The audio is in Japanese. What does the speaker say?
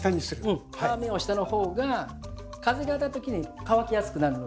うん皮目を下の方が風が当たった時に乾きやすくなるので。